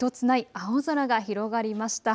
青空が広がりました。